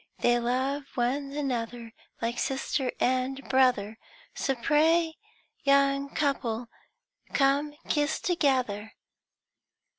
They love one another like sister and brother. So pray, young couple, come kiss together!"